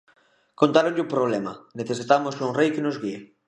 Contáronlle o problema, necesitamos un rei que nos guíe.